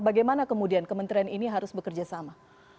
bagaimana kemudian kementerian ini harus bekerja sama